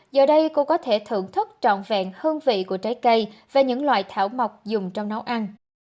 giờ đây cô có thể thưởng thức trọn vẹn hương vị của trái cây và những loại thảo mộc dùng trong nấu ăn